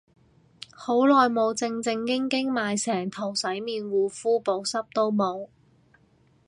好耐冇正正經經買成套洗面護膚，補濕都冇